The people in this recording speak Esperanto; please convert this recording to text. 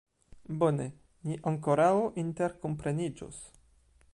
Bone, ni ankoraŭ interkompreniĝos.